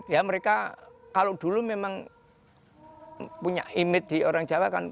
ya mereka kalau dulu memang punya image di orang jawa kan